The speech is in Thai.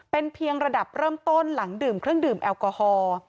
เป็นเพียงระดับเริ่มต้นหลังดื่มเครื่องดื่มแอลกอฮอล์